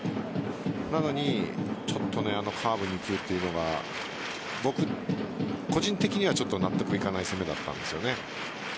なのに、ちょっとカーブでいくというのが個人的には納得いかない攻めだったんです。